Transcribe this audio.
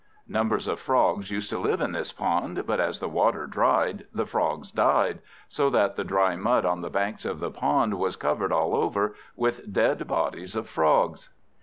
Numbers of Frogs used to live in this pond; but as the water dried the Frogs died, so that the dry mud on the banks of the pond was covered all over with dead bodies of Frogs.